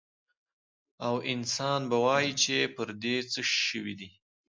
او انسان به ووايي چې پر دې څه شوي دي؟